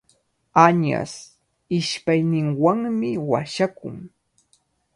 Añas ishpayninwanmi washakun.